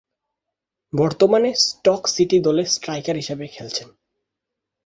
বর্তমানে Stoke City দলে striker হিসেবে খেলছেন।